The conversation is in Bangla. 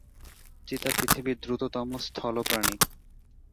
চিতা পৃথিবীর দ্রুততম স্থল প্রাণী।